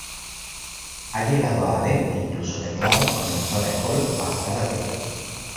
Ha llegado a haber incluso teclados con sensores Hall bajo cada tecla.